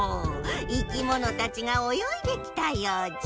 生きものたちがおよいできたようじゃ。